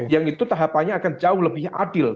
yang itu tahapannya akan jauh lebih adil